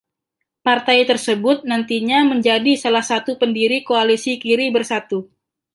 Partai tersebut nantinya menjadi salah satu pendiri koalisi Kiri Bersatu.